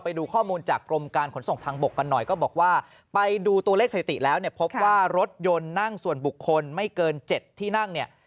เพราะว่ารถยนต์นั่งส่วนบุคคลไม่เกิน๗ที่นั่งเนี่ย